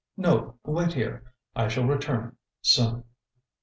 "No, wait here. I shall return soon."